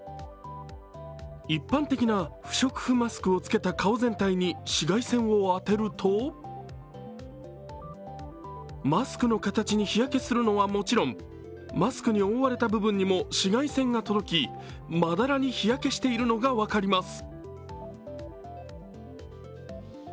一般的な不織布マスクを着けた顔全体に紫外線を当てるとマスクの形に日焼けするのはもちろんマスクに覆われた部分にも紫外線が届きまだらに日焼けしているのが分かります。